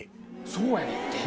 そうやねんて。